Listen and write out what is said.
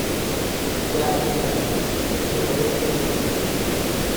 claro, claro. es que lo vuestro es